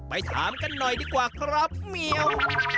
ถามกันหน่อยดีกว่าครับเมียว